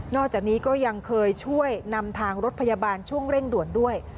จากนี้ก็ยังเคยช่วยนำทางรถพยาบาลช่วงเร่งด่วนด้วย